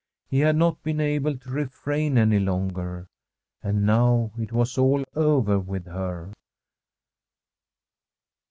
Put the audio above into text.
He had not been able to refrain any longer. And now it was all over with her.